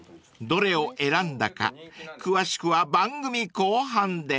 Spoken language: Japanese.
［どれを選んだか詳しくは番組後半で］